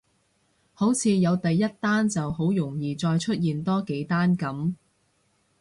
好似有第一單就好容易再出現多幾單噉